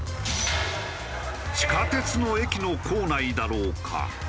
地下鉄の駅の構内だろうか？